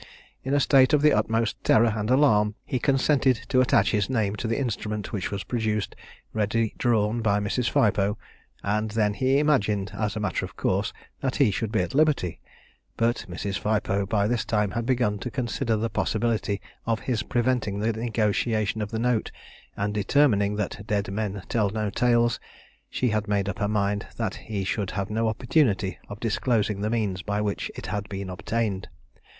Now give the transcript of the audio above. In a state of the utmost terror and alarm, he consented to attach his name to the instrument which was produced, ready drawn by Mrs. Phipoe, and then he imagined, as a matter of course, that he should be at liberty. But Mrs. Phipoe by this time had begun to consider the possibility of his preventing the negotiation of the note, and determining that "Dead men tell no tales," she had made up her mind that he should have no opportunity of disclosing the means by which it had been obtained.